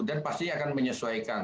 dan pasti akan menyesuaikan